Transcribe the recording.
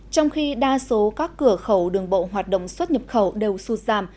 trong khi đa số các cửa khẩu đường bộ hoạt động xuất nhập khẩu đều sụt giảm